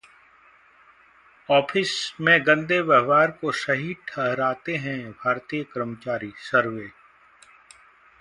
office में गंदे व्यवहार को सही ठहराते हैं भारतीय कर्मचारी: सर्वे